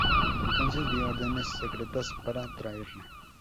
Entonces dio órdenes secretas para traerla.